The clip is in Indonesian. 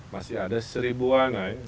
masih ada seribuan ya